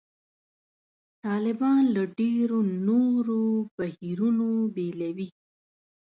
طالبان له ډېرو نورو بهیرونو بېلوي.